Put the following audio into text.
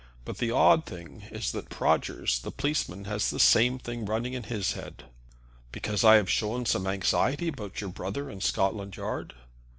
But the odd thing is that Prodgers, the policeman, has the same thing running in his head." "Because I have shown some anxiety about your brother in Scotland Yard."